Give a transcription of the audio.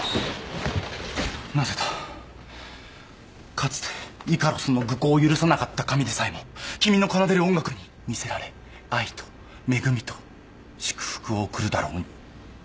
かつてイカロスの愚行を許さなかった神でさえも君の奏でる音楽にみせられ愛と恵みと祝福を贈るだろうに。